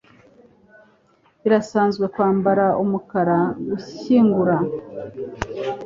Birasanzwe kwambara umukara gushyingura.